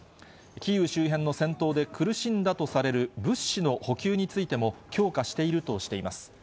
キーウ周辺の戦闘で苦しんだとされる物資の補給についても、強化しているとしています。